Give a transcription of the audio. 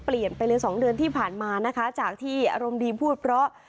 เปลี่ยนไปเลยสองเดือนที่ผ่านมานะคะจากที่อารมณ์ดีพูดเพราะ